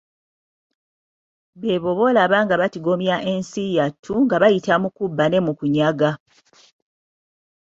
Beebo bolaba nga batigomya ensi yattu, nga bayita mu kubba ne mu kunyaga.